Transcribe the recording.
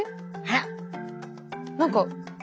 あら？何か。